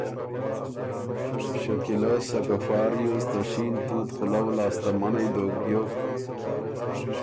شکیلۀ سکه فا ریوز ته شېن تُوت خُلؤ لاسته منعئ دوک بیوک،